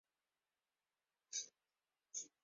He also managed Fermanagh.